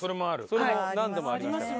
それも何度もありました。